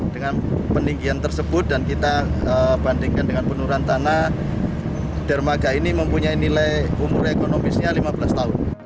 dengan peninggian tersebut dan kita bandingkan dengan penurunan tanah dermaga ini mempunyai nilai umur ekonomisnya lima belas tahun